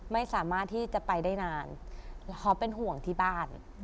ไม่สามารถที่จะไปได้นานแล้วเขาเป็นห่วงที่บ้าน